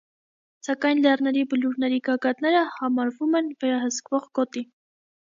Սակայն լեռների բլուրների գագաթները համարվում են վերահսկվող գոտի։